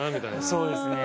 そうですね。